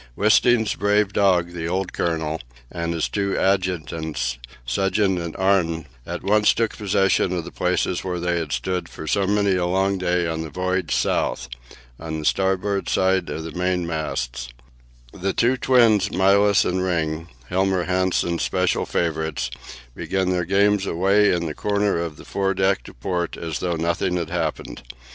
Wisting's brave dog, the old Colonel, with his two adjutants, Suggen and Arne, at once took possession of the places where they had stood for so many a long day on the voyage south on the starboard side of the mainmast; the two twins, Mylius and Ring, Helmer Hanssen's special favourites, began their games away in the corner of the fore deck to port, as though nothing had happened.